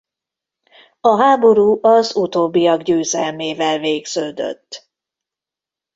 A háború az utóbbiak győzelmével végződött.